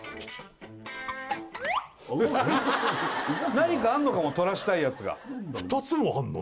何かあんのかも取らしたいやつが２つもあんの？